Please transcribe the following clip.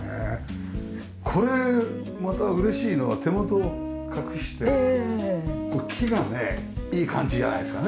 これまた嬉しいのは手元隠してこの木がねいい感じじゃないですか。